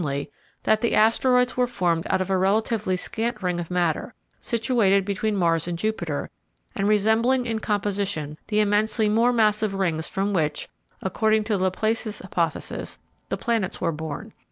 _ that the asteroids were formed out of a relatively scant ring of matter, situated between Mars and Jupiter and resembling in composition the immensely more massive rings from which, according to Laplace's hypothesis, the planets were born.